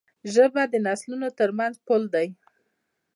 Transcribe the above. ژبه د نسلونو ترمنځ پُل دی.